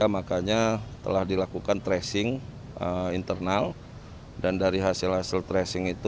makanya telah dilakukan tracing internal dan dari hasil hasil tracing itu